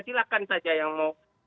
silahkan saja yang mau